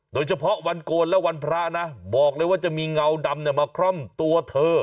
โดยเฉพาะวันโกนและวันพระนะบอกเลยว่าจะมีเงาดำมาคร่อมตัวเธอ